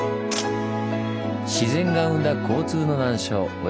自然が生んだ交通の難所親不知。